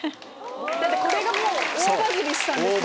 だってこれが大バズりしたんですもんね。